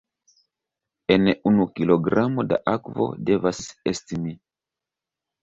En unu kilogramo da akvo, devas esti min.